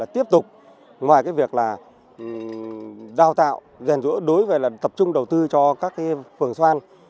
tiếp tục ngoài việc đào tạo ghen rũa đối với tập trung đầu tư cho các phường xoan